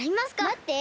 まって。